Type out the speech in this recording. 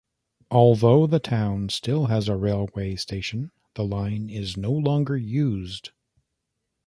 Although the town still has a railway station the line is no longer used.